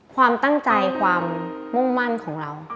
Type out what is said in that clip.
ความตั้งใจความมุ่งมั่นของเรา